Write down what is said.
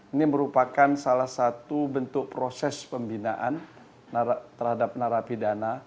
ini merupakan salah satu bentuk proses pembinaan